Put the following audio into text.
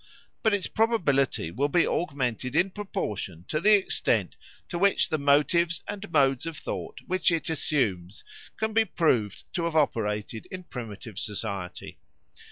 But its probability will be augmented in proportion to the extent to which the motives and modes of thought which it assumes can be proved to have operated in primitive society.